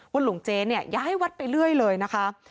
ว่าหลวงเจ๊ย้ายวัดไปเรื่อยเลยนะคะ